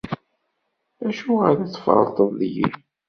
Acuɣer i tferṭeḍ deg-i?